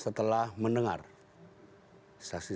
setelah mendengar saksi saksi dan berpikir pikir